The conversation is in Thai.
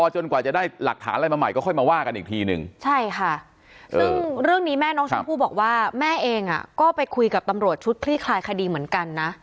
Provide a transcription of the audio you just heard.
ใช่ค่ะซึ่งเรื่องนี้แม่น้องชมพู่บอกว่าแม่เองก็ไปคุยกับตำรวจชุดคลี่คลายคดีเหมือนกันนะ